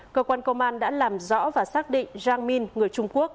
cơ quan công an đã làm rõ và xác định jeng minh người trung quốc